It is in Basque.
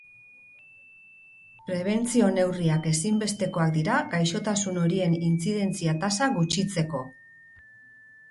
Prebentzio neurriak ezinbestekoak dira gaixotasun horien intzidentzia-tasa gutxitzeko.